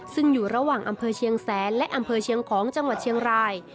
ซึ่งอยู่ระหว่างอำเภอเชียงแสนและอำเภอเชียงของจังหวัดเชียงราย